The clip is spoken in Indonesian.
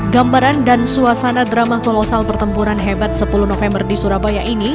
gambaran dan suasana drama kolosal pertempuran hebat sepuluh november di surabaya ini